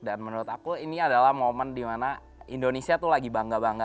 dan menurut aku ini adalah momen di mana indonesia tuh lagi bangga bangga